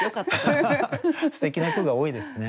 すてきな句が多いですね